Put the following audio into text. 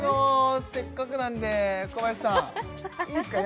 せっかくなんで小林さんいいすか？